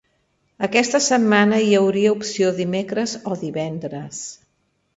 Aquesta setmana hi hauria opció dimecres o divendres.